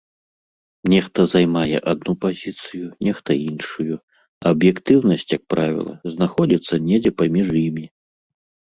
Нехта займае адну пазіцыю, нехта іншую, а аб'ектыўнасць, як правіла, знаходзіцца недзе паміж імі.